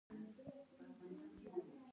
احترام او زغم د سولې لامل کیږي.